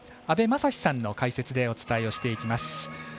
阿部雅司さんの解説でお伝えをしていきます。